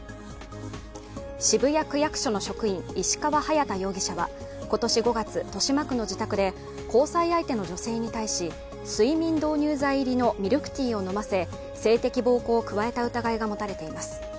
渋谷区役所の職員石川隼大容疑者は、今年５月豊島区の自宅で交際相手の女性に対し睡眠導入剤入りのミルクティーを飲ませ、性的暴行を加えた疑いが持たれています。